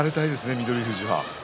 翠富士は。